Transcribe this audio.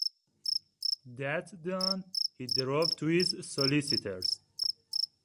That done, he drove to his solicitors.